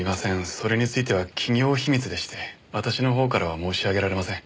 それについては企業秘密でして私の方からは申し上げられません。